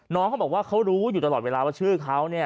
น้องเขาบอกว่าเขารู้อยู่ตลอดเวลาว่าชื่อเขาเนี่ย